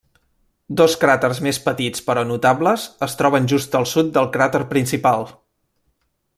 Dos cràters més petits però notables es troben just al sud del cràter principal.